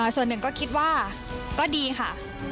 ส่วนหนึ่งก็คิดว่าก็ดีค่ะ